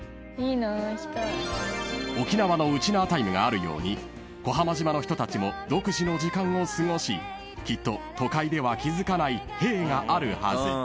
［沖縄のウチナータイムがあるように小浜島の人たちも独自の時間を過ごしきっと都会では気付かないへぇーがあるはず］